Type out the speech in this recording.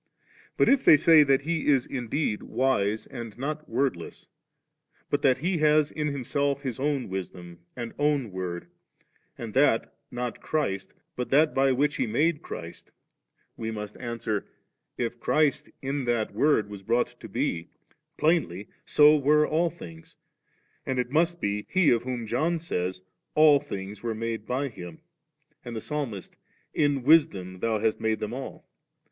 But if they say that He is indeed wise and not word less, but that He has in Himself His own wisdom and own word, and that, not Christ, but that by which He made Christ, we must answer that, if Clmst in that wOTd was brought to be, plainly so were all things ; and it must be He of whom John says, * All things were made by Him,' and the Psalmist, 'In Wisdom hast Thou made them all*.'